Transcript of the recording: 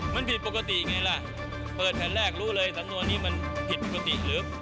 มันผิดปกติไงล่ะเปิดแผ่นแรกรู้เลยสำนวนนี้มันผิดปกติหรือ